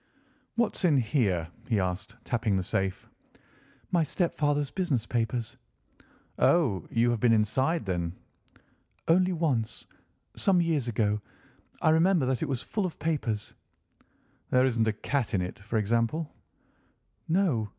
"What's in here?" he asked, tapping the safe. "My stepfather's business papers." "Oh! you have seen inside, then?" "Only once, some years ago. I remember that it was full of papers." "There isn't a cat in it, for example?" "No.